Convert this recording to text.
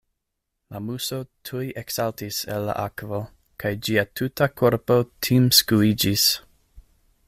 La Muso tuj eksaltis el la akvo, kaj ĝia tuta korpo timskuiĝis.